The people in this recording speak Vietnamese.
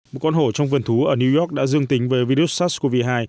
một con hổ trong vườn thú ở new york đã dương tính với virus sars cov hai